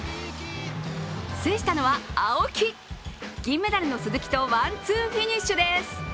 制したのは青木、銀メダルの鈴木とワンツーフィニッシュです。